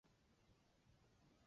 它的反义词为。